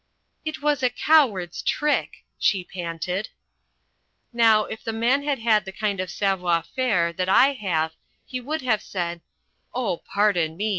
"It was a coward's trick," she panted. Now if The Man had had the kind of savoir faire that I have, he would have said: "Oh, pardon me!